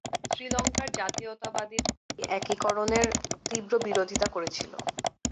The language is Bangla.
শ্রীলঙ্কার জাতীয়তাবাদীরা এই একীকরণের তীব্র বিরোধিতা করেছিল।